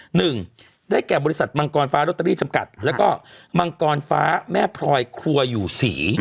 หนึ่งได้แก่บริษัทมังกรฟ้ารอตเตอรี่จำกัดแล้วก็มังกรฟ้าแม่พลอยครัวอยู่ศรี